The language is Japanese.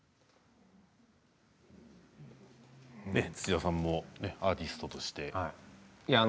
土屋さんもアーティストとして。